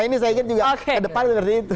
nah ini saya ingin juga kedepan dari itu